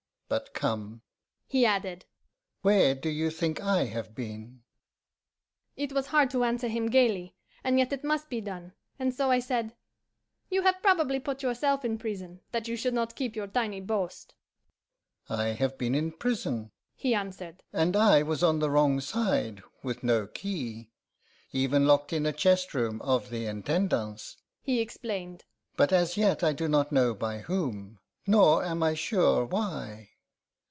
But come,' he added, 'where do you think I have been?' It was hard to answer him gaily, and yet it must be done, and so I said, 'You have probably put yourself in prison, that you should not keep your tiny boast.' 'I have been in prison,' he answered, 'and I was on the wrong side, with no key even locked in a chest room of the Intendance,' he explained, 'but as yet I do not know by whom, nor am I sure why.